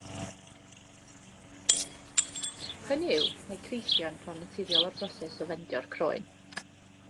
Hynny yw, mae creithio yn rhan naturiol o'r broses o fendio'r croen.